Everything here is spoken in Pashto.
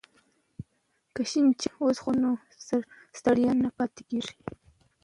که شین چای وڅښو نو ستړیا نه پاتې کیږي.